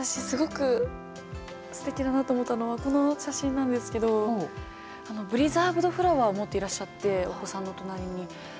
すごくすてきだなと思ったのはこの写真なんですけどブリザーブドフラワーを持っていらっしゃってお子さんの隣に。